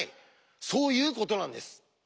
そういうことなんです。